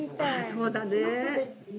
そうだね。